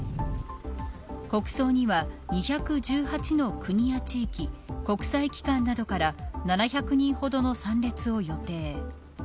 国葬には、２１８の国や地域国際機関などから７００人ほどの参列を予定。